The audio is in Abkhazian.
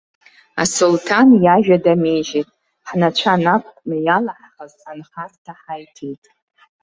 Асулҭан иажәа дамеижьеит, ҳнацәа нақәкны иалаҳхыз анхарҭа ҳаиҭеит.